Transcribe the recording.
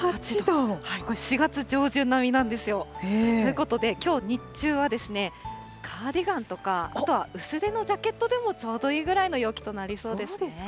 これ、４月上旬並みなんですよ。ということで、きょう日中はですね、カーディガンとか、あとは薄手のジャケットでもちょうどいいそれぐらいか。